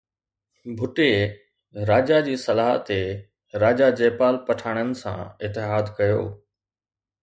ڀٽي راجا جي صلاح تي راجا جيپال پٺاڻن سان اتحاد ڪيو